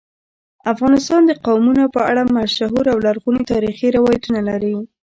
افغانستان د قومونه په اړه مشهور او لرغوني تاریخی روایتونه لري.